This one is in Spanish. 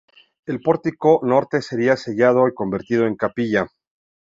El pórtico norte sería sellado y convertido en capilla.